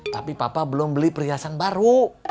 tapi papa belum beli perhiasan baru